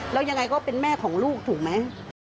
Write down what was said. แล้วยังไงก็เป็นแม่ของลูกถูกไหม